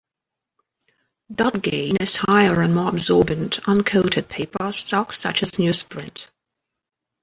Dot gain is higher on more absorbent, uncoated paper stock such as newsprint.